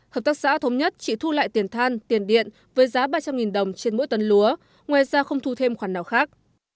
hợp tác xã thống nhất chỉ thu lại tiền than tiền điện với giá ba trăm linh đồng trên mỗi tấn lúa ngoài ra không thu thêm khoản nào khác